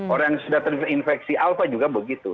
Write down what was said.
orang yang sudah terinfeksi alfa juga begitu